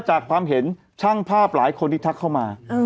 จากความเห็นช่างภาพหลายคนที่ทักเข้ามา